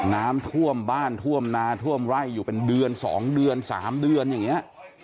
น้ำท่วมบ้านท่วมนาท่วมไร่อยู่เป็นเดือน๒เดือน๓เดือนอย่างนี้